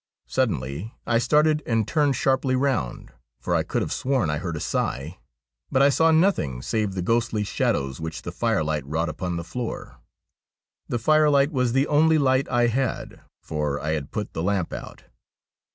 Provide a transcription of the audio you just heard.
Suddenly I started and turned sharply round, for I could have sworn I heard a sigh. But I saw nothing save the ghostly shadows which the fire light wrought upon the floor. The fire light was the only light I had, for I had put the lamp out.